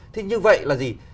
thế như vậy là gì